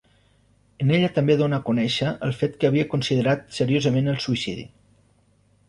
En ella també dóna a conèixer el fet que havia considerat seriosament el suïcidi.